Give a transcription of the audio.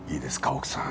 奥さん。